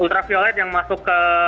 ultraviolet yang masuk ke